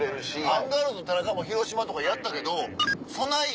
アンガールズの田中も広島とかやったけどそない